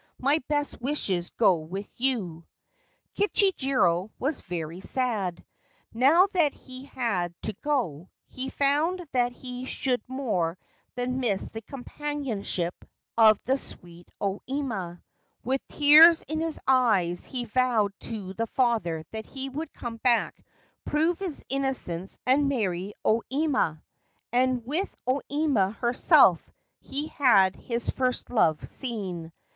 My best wishes go with you/ Kichijiro was very sad. Now that he had to go, he found that he should more than miss the companionship of the sweet O Ima. With tears in his eyes, he vowed to the father that he would come back, prove his innocence, and marry O Ima ; and with O Ima herself he had his first love scene.